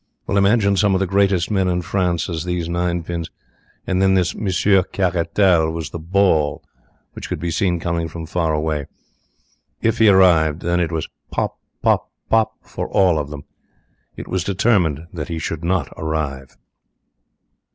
Well, imagine some of the greatest men in France as these ninepins and then this Monsieur Caratal was the ball which could be seen coming from far away. If he arrived, then it was pop, pop, pop for all of them. It was determined that he should not arrive.